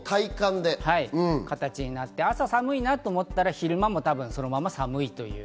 という形になって、朝寒いなと思ったら昼間もそのまま寒い。